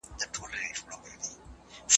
اقتصادي ستونزي په تعاون حل کېږي.